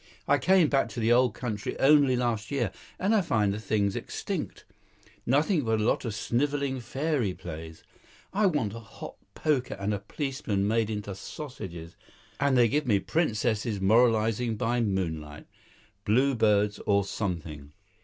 I came back to the old country only last year, and I find the thing's extinct. Nothing but a lot of snivelling fairy plays. I want a hot poker and a policeman made into sausages, and they give me princesses moralising by moonlight, Blue Birds, or something.